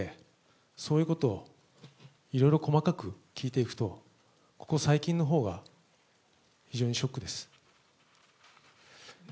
ただやっぱり、大人になって、そういうことをいろいろ細かく聞いていくと、ここ最近のほうは非常にショックです。